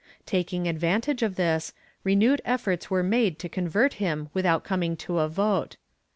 Taking advantage of this, renewed efforts were made to convert him without coming to a vote.